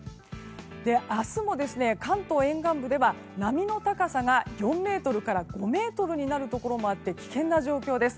明日も、関東沿岸部では波の高さが４ｍから５ｍになるところもあって危険な状況です。